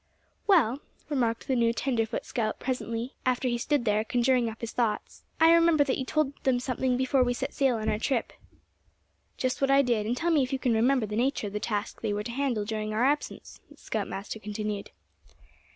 "Well," remarked the new tenderfoot scout presently, after he had stood there, conjuring up his thoughts; "I remember that you told them something before we set sail on our trip." "Just what I did, and tell me if you can remember the nature of the task they were to handle during our absence?" the scout master continued.